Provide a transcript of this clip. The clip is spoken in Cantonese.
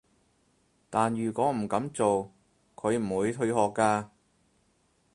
但如果唔噉做，佢唔會退學㗎